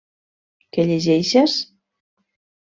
Què llegeixes?